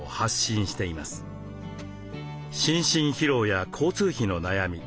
心身疲労や交通費の悩み